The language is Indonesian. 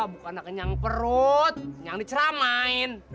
bukanlah kenyang perut kenyang diceramain